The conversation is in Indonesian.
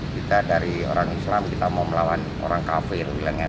kita dari orang islam kita mau melawan orang kafir bilang